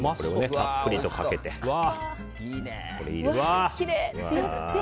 たっぷりとかけてね。